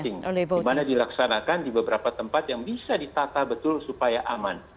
di mana dilaksanakan di beberapa tempat yang bisa ditata betul supaya aman